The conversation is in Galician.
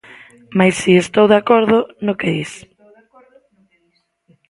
Mais si estou de acordo no que dis.